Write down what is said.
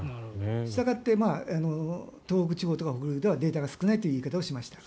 したがって東北地方とか北陸ではデータが少ないという言い方をしました。